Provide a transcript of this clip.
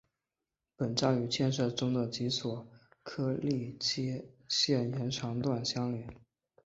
本站与建设中的及索科利尼基线延长段相连。